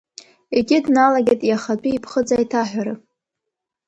Егьи дналагеит иахатәи иԥхыӡ аиҭаҳәара…